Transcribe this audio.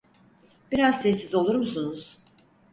Biraz sessiz olur musunuz?